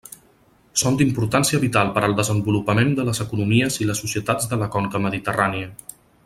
Són d'importància vital per al desenvolupament de les economies i les societats de la conca mediterrània.